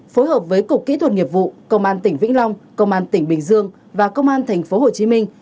phối hợp với cục kỹ thuật nghiệp vụ công an tỉnh vĩnh long công an tỉnh bình dương và công an thành phố hồ chí minh